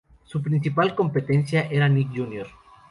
Su principal competencia era Nick Jr.